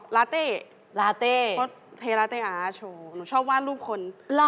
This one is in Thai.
ราเต้เพราะเทราเต้อาชูหนูชอบว่ารูปคน